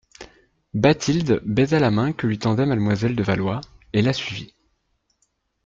Bathilde baisa la main que lui tendait mademoiselle de Valois, et la suivit.